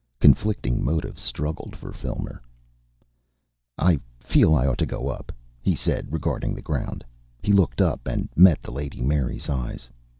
Conflicting motives struggled for Filmer. "I feel I ought to go up," he said, regarding the ground. He looked up and met the Lady Mary's eyes.